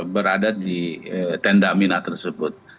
berada di tenda mina tersebut